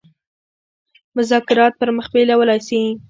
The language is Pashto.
مذاکرات پر مخ بېولای سي.